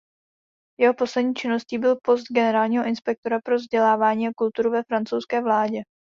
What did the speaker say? Jeho poslední činností byl post generálního inspektora pro vzdělávání a kulturu ve francouzské vládě.